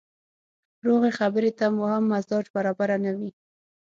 روغې خبرې ته مو هم مزاج برابره نه وي.